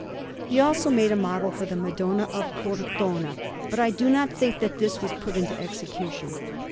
He also made a model for the Madonna of Cortona; but I do not think that this was put into execution.